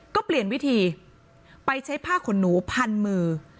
ก็เปลี่ยนวิธีไปใช้ผ้าขนหนูพันมือ